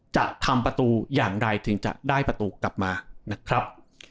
จะทำประตูอย่างไรถึงจะได้ประตูกลับมานะครับ